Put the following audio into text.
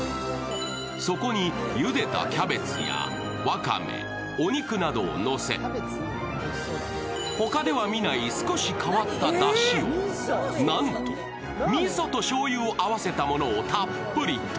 そこにゆでたキャベツやわかめ、お肉などをのせ、他では見ない少し代わっただしを、なんと、みそとしょうゆを合わせたものをたっぷりと。